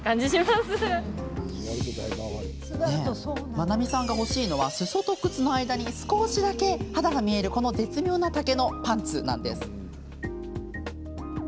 まなみさんが欲しいのはすそと靴の間に少しだけ肌が見える絶妙な丈のパンツ。